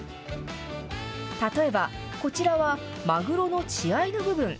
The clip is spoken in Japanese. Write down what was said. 例えば、こちらはマグロの血合いの部分。